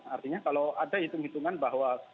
artinya kalau ada hitung hitungan bahwa